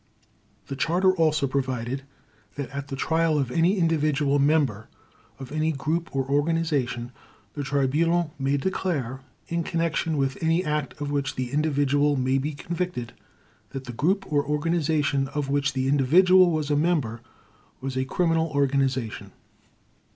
The Charter also provided that at the Trial of any individual member of any group or organization the Tribunal may declare (in connection with any act of which the individual may be convicted) that the group or organization of which the individual was a member was a criminal organization.